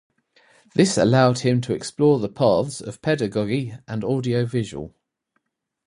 This allowed him to explore the paths of pedagogy and audiovisual.